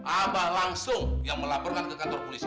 abah langsung yang melaporkan ke kantor polisi